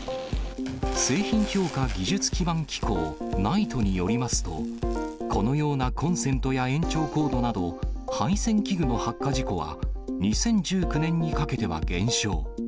製品評価技術基盤機構・ＮＩＴＥによりますと、このようなコンセントや延長コードなど、配線器具の発火事故は、２０１９年にかけては減少。